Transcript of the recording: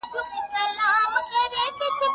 زده کړه د تشخیص د پروسې اساس ته وده ورکوي.